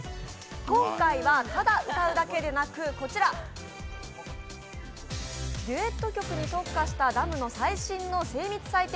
今回はただ歌うだけでなくこちらデュエット曲に特化したダムの採点の精密採点